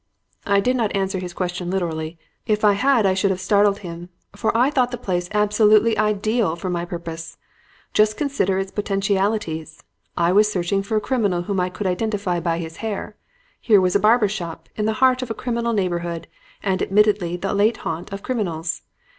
"I did not answer his question literally. If I had, I should have startled him. For I thought the place absolutely ideal for my purpose. Just consider its potentialities! I was searching for a criminal whom I could identify by his hair. Here was a barber's shop in the heart of a criminal neighborhood and admittedly the late haunt of criminals.